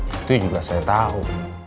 itu juga saya tahu